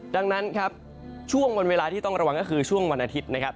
ดังนั้นครับช่วงวันเวลาที่ต้องระวังก็คือช่วงวันอาทิตย์นะครับ